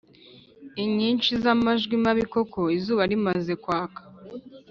inyinshi z’amajwi mabi koko. Izuba rimaze kwaka